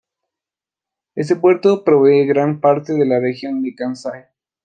Este puerto provee a gran parte de la Región de Kansai.